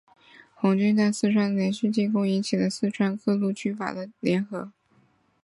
红军在四川的连续进攻引起了四川各路军阀的联合。